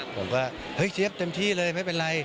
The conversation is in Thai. ผมก็เฮ้ยเจี๊ยบเต็มที่เลยไม่เป็นไร